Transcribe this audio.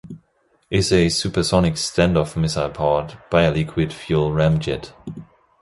It is a supersonic standoff missile powered by a liquid fuel ramjet.